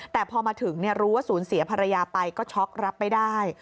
แต่พอมาถึงรู้ว่าศูนย์เสียภรรยาไปก็ช็อกรับไม่ได้